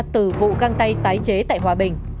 từ vụ găng tay tái chế tại hòa bình